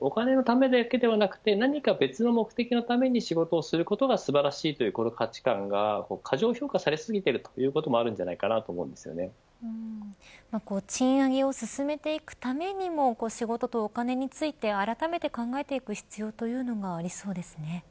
お金のためだけではなくて何か別の目的のために仕事をすることが素晴らしいという価値感が過剰評価され過ぎているということもあるんじゃないかな賃上げを進めていくためにも仕事とお金について、あらためて考えていく必要というのがそうですね。